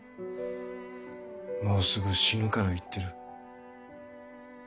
もうすぐ死ぬから言ってる。